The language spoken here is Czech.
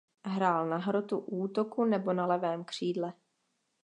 Hrál na hrotu útoku nebo na levém křídle.